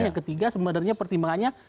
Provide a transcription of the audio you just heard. yang ketiga sebenarnya pertimbangannya